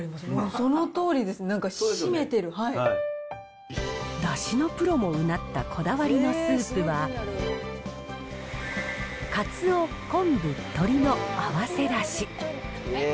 そのとおりです、だしのプロもうなったこだわりのスープは、カツオ、昆布、鶏の合わせだし。